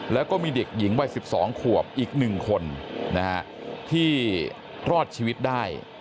แล้วก็มีเด็กหญิงวัย๑๒ขวบอีก๑คนที่รอดชีวิตได้